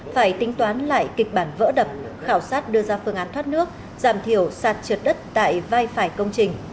bán lại kịch bản vỡ đập khảo sát đưa ra phương án thoát nước giảm thiểu sạt trượt đất tại vai phải công trình